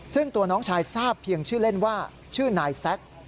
ซึ่งตัวน้องชายทราบเพียงชื่อเล่นว่าชื่อนายแซ็ก